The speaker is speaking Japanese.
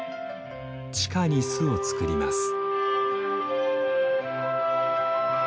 地下に巣を作ります。